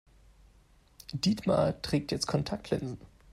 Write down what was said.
Dietmar trägt jetzt Kontaktlinsen.